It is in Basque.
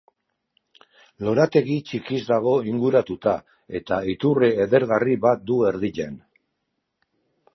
Lorategi txikiz dago inguratuta eta iturri edergarri bat du erdian.